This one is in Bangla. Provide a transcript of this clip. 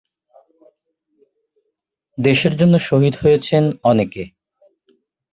দেশের জন্য শহীদ হয়েছেন অনেকে।